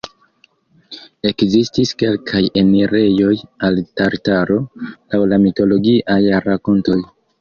Ekzistis kelkaj enirejoj al Tartaro, laŭ la mitologiaj rakontoj.